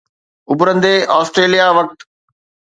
اڀرندي آسٽريليا وقت